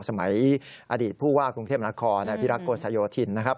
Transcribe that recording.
อดีตผู้ว่ากรุงเทพนครนายพิรักษ์โกสโยธินนะครับ